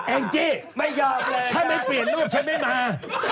แองจิถ้าไม่เปลี่ยนรูปฉันไม่มา